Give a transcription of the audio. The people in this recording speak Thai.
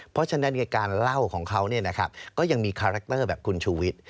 เพราะฉะนั้นการเล่าของเขาก็ยังมีคาแรคเตอร์แบบคุณชูวิทย์